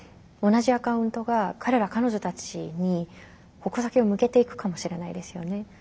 同じアカウントが彼ら彼女たちに矛先を向けていくかもしれないですよね。